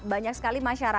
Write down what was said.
banyak sekali masyarakat